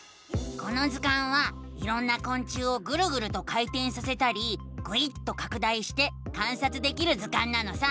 この図鑑はいろんなこん虫をぐるぐると回てんさせたりぐいっとかく大して観察できる図鑑なのさ！